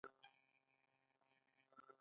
ایا زه باید ماشوم ته د غاښونو درمل ورکړم؟